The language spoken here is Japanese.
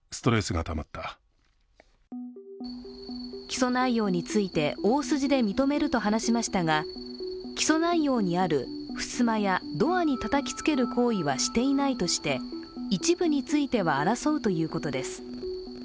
起訴内容について大筋で認めると話しましたが起訴内容にある、ふすまやドアにたたきつける行為はしていないとして一部については争うということです。